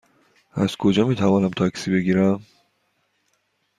از کجا می توانم تاکسی بگیرم؟